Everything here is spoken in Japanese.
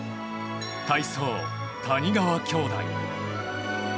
体操、谷川兄弟。